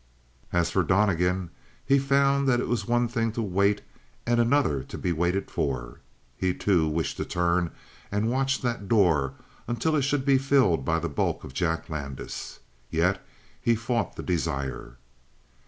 As for Donnegan, he found that it was one thing to wait and another to be waited for. He, too, wished to turn and watch that door until it should be filled by the bulk of Jack Landis. Yet he fought the desire.